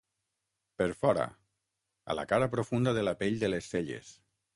Per fora, a la cara profunda de la pell de les celles.